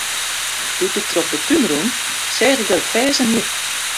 Doe't ik troch de tún rûn, seach ik dat it ferzen hie.